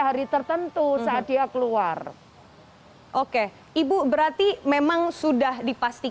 kan kita juga dia diharuskan program untuk memperbaiki ter ui itu